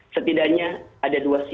setidaknya ada dua sisi